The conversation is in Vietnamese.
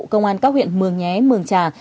công an các huyện mường nhé mường trà